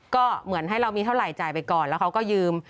ก็เหมือนให้เรามีเท่าไหรจ่ายไปก่อนแล้วเขาก็ยืม